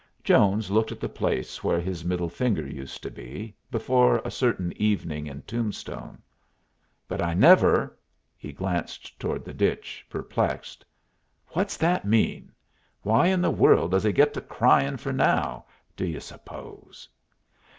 Jones looked at the place where his middle finger used to be, before a certain evening in Tombstone. "But I never " He glanced towards the ditch, perplexed. "What's that mean? Why in the world does he git to cryin' for now, do you suppose?"